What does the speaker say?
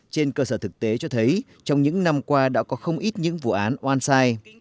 trên cơ sở thực tế cho thấy trong những năm qua đã có không ít những vụ án oan sai